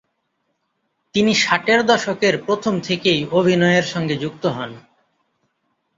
তিনি ষাটের দশকের প্রথম থেকেই অভিনয়ের সঙ্গে যুক্ত হন।